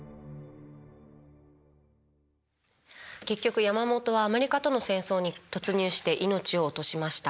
結局山本はアメリカとの戦争に突入して命を落としました。